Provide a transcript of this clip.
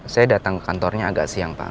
saya datang ke kantornya agak siang pak